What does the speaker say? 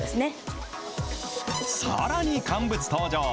さらに乾物登場。